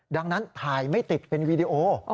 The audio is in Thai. ดังนั้นถ่ายไม่ติดเป็นวีดีโอ